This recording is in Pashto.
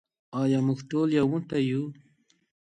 آیا موږ ټول یو موټی یو؟